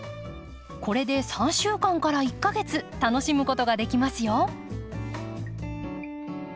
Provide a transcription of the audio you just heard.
これで３週間から１か月楽しむことができますよ。